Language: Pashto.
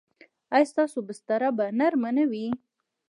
ایا ستاسو بستره به نرمه نه وي؟